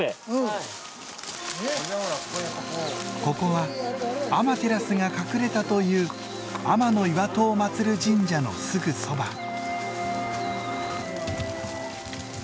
ここはアマテラスが隠れたという天岩戸を祀る神社のすぐそば。